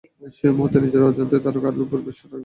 সেই মুহূর্তে নিজের অজান্তেই অন্য কারও ওপর সেই রাগ ঝাড়া হয়।